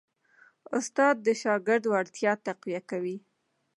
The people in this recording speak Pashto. استاد د شاګرد وړتیا تقویه کوي.